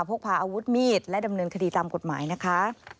พกพาอาวุธมีดและดำเนินคดีตามกฎหมายนะคะ